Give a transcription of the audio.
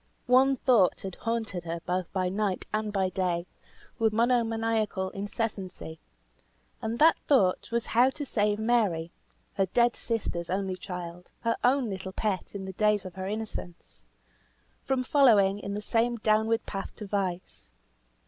One thought had haunted her both by night and by day, with monomaniacal incessancy; and that thought was how to save Mary (her dead sister's only child, her own little pet in the days of her innocence) from following in the same downward path to vice.